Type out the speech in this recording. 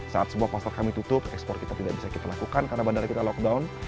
saat semua pasar kami tutup ekspor kita tidak bisa kita lakukan karena bandara kita lockdown